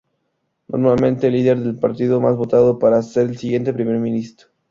Normalmente el líder del partido más votado pasa a ser el siguiente primer ministro.